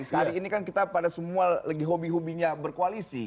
hari ini kan kita pada semua lagi hobi hobinya berkoalisi